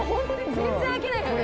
全然飽きないよね。